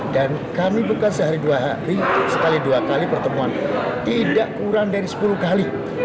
dan kami bukan sehari dua hari sekali dua kali pertemuan tidak kurang dari sepuluh kali